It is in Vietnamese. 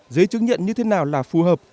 giấy chứng nhận như thế nào là phù hợp